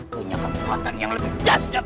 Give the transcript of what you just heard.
punya kekuatan yang lebih jajak